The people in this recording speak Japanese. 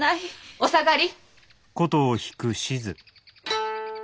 お下がり！